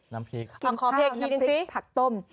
น้ำพริกค่ะขอเพลงทีหนึ่งสิน้ำพริกผักต้ม